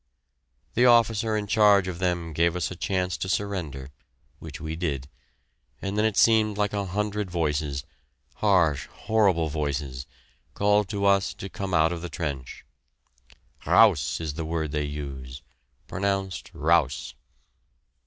The officer in charge of them gave us a chance to surrender, which we did, and then it seemed like a hundred voices harsh, horrible voices called to us to come out of the trench. "Raus" is the word they use, pronounced "rouse."